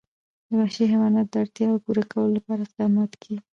د وحشي حیواناتو د اړتیاوو پوره کولو لپاره اقدامات کېږي.